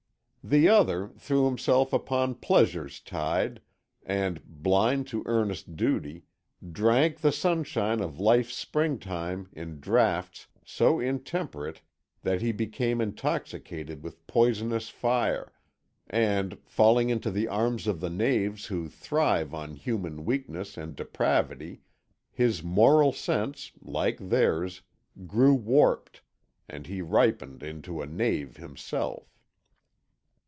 The other threw himself upon pleasure's tide, and, blind to earnest duty, drank the sunshine of life's springtime in draughts so intemperate that he became intoxicated with poisonous fire, and, falling into the arms of the knaves who thrive on human weakness and depravity, his moral sense, like theirs, grew warped, and he ripened into a knave himself.